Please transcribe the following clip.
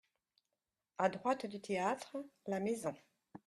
A droite du théâtre, la maison.